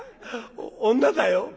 女だよ」。